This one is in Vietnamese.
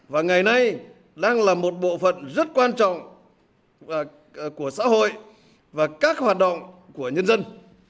và ngày nay đang là một bộ phận rất quan trọng của xã hội và các hoạt động của nhân dân